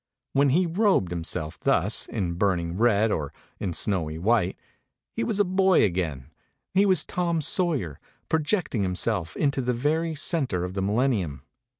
When he robed himself thus in burning red or in snowy white, he was a boy again, he was Tom Sawyer, projecting himself into the very center of the millennium.